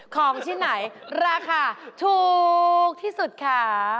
ของที่ไหนราคาถูกที่สุดค่ะ